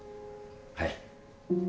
はい。